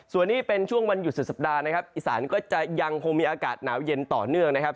ส่วนนี้เป็นช่วงวันหยุดสุดสัปดาห์นะครับอีสานก็จะยังคงมีอากาศหนาวเย็นต่อเนื่องนะครับ